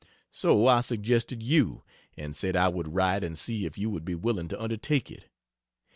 So I suggested you, and said I would write and see if you would be willing to undertake it.